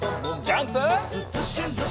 ジャンプ！